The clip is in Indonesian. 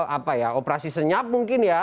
apa ya operasi senyap mungkin ya